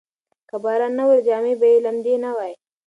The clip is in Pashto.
که باران نه وریده، جامې به یې لمدې نه وای.